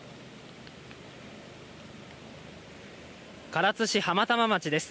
唐津市浜玉町です。